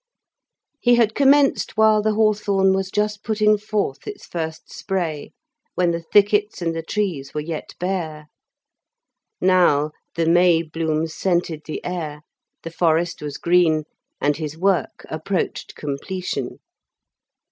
He had commenced while the hawthorn was just putting forth its first spray, when the thickets and the trees were yet bare. Now the May bloom scented the air, the forest was green, and his work approached completion.